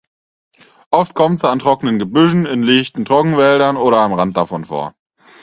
Oft kommt sie an trockenen Gebüschen, in lichten Trockenwäldern oder am Rand davon vor.